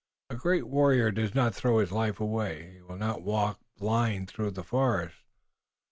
"A great warrior does not throw his life away. He will not walk blind through the forest.